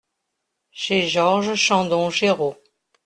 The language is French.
Chez Georges Chandon-Géraud.